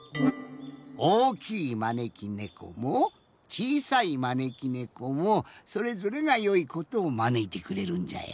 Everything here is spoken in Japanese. おおきいまねきねこもちいさいまねきねこもそれぞれがよいことをまねいてくれるんじゃよ。